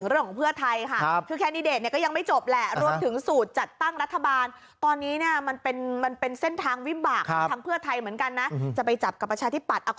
เรื่องของเพื่อไทยค่ะก็ยังไม่จบแหละ